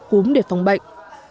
cúm để phòng bệnh